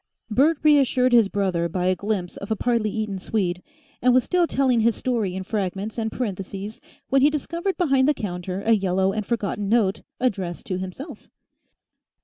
Bert reassured his brother by a glimpse of a partly eaten swede, and was still telling his story in fragments and parentheses, when he discovered behind the counter a yellow and forgotten note addressed to himself.